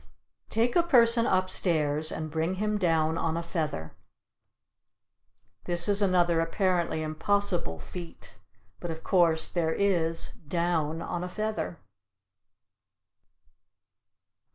Take a Person Upstairs and Bring him Down on a Feather. This is another apparently impossible feat but of course there is "down on a feather."